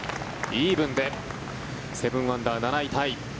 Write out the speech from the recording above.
イーブンで７アンダー、７位タイ。